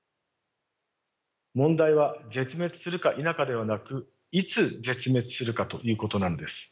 問題は絶滅するか否かではなくいつ絶滅するかということなんです。